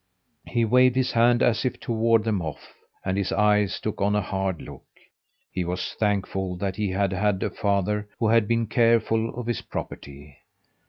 He waved his hand, as if to ward them off, and his eyes took on a hard look. He was thankful that he had had a father who had been careful of his property.